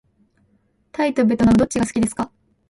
タイとべトナムどっちが好きですか。